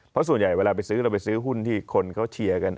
เพราะส่วนใหญ่เวลาไปซื้อเราไปซื้อหุ้นที่คนเขาเชียร์กัน